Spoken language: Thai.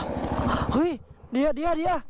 ว้าาวอุ๊ยเดียเดียเดีย